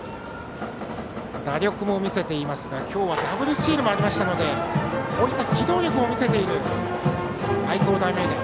打力も見せていますが、今日はダブルスチールもありましたので機動力も見せている愛工大名電。